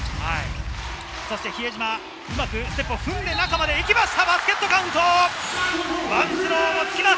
そして比江島、うまくステップを踏んで中まで行きました、バスケットカウント！